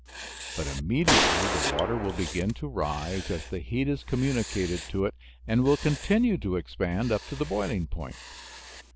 But immediately the water will begin to rise as the heat is communicated to it, and will continue to expand up to the boiling point.